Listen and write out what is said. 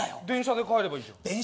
電車で帰ればいいじゃん。